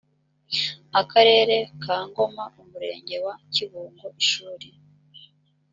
akarere ka ngoma umurenge wa kibungo ishuri